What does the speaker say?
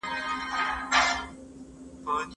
شاګرد کولای سي له استاد سره په ځینو خبرو کي مخالفت وکړي.